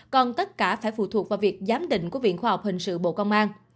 còn tất cả phải phụ thuộc vào việc giám định của viện khoa học hình sự bộ công an